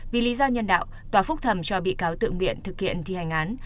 vì lý do nhân đạo tòa phúc thầm cho bị cáo tự miện thực hiện thi hành án